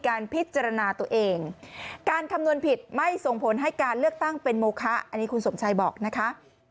การเลือกตั้งเป็นโมคะอันนี้คุณสมชัยบอกนะคะ